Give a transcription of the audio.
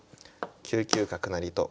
９九角成と。